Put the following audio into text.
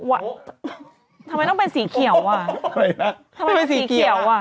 โอ๊ะทำไมต้องเป็นสีเขียวว่ะทำไมต้องเป็นสีเขียวว่ะ